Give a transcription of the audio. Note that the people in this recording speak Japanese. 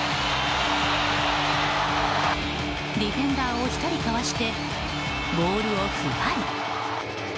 ディフェンダーを１人かわしてボールをふわり。